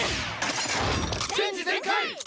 チェンジ全開！